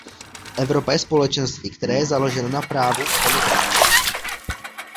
Evropa je společenství, které je založeno na právu, demokracie.